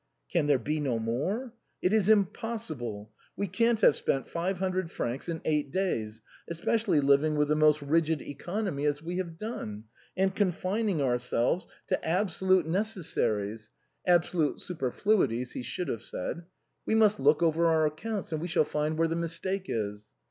" Can there be no more ? It is impossible ! We can't have spent five hundred francs in eight days, especially liv ing with the most rigid economy as we have done, and con fining ourselves to absolute necessaries : [absolute super fluities, he should have said]. We must look over our accounts ; and we shall find where the mistake is."